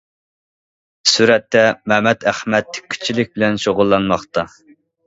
سۈرەتتە: مەمەت ئەخمەت تىككۈچىلىك بىلەن شۇغۇللانماقتا.